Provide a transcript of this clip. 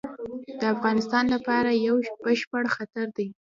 د افغانستان لپاره یو بشپړ خطر دی.